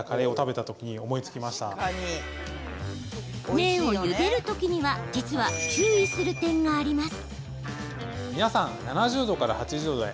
麺をゆでるときには実は、注意する点があります。